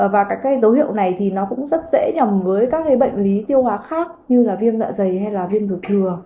và các dấu hiệu này thì nó cũng rất dễ nhầm với các bệnh lý tiêu hóa khác như là viêm dạ dày hay là viêm đổi thừa